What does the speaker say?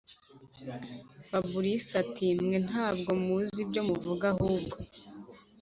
fabric ati”mwe ntabwo muzi ibyo muvuga ahubwo